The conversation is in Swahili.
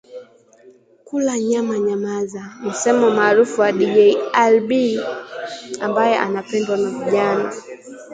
Kula nyama nyamaza! msemo maarufu wa Dj AllyB ambaye anapendwa na vijana.